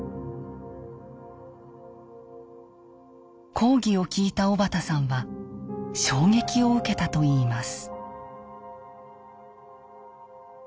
講義を聞いた小畑さんは衝撃を受けたといいます。